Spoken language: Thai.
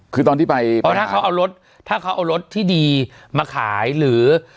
คือตอนที่ไปเพราะถ้าเขาเอารถถ้าเขาเอารถที่ดีมาขายหรือ